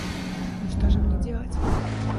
Но что же мне делать?